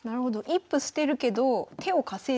一歩捨てるけど手を稼いでる。